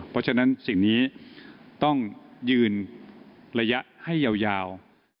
เพราะฉะนั้นสิ่งนี้ต้องยืนระยะให้ยาว